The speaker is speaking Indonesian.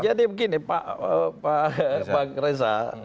jadi begini pak reza